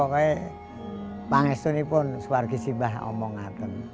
pokoknya saya juga berharap saya bisa